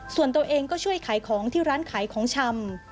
ส่วนตัวเองก็ช่วยขายของที่ร้านขายของชำ